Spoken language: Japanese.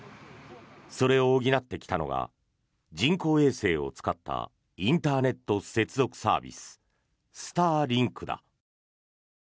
それを補ってきたのが人工衛星を使ったインターネット接続サービススターリンクだ。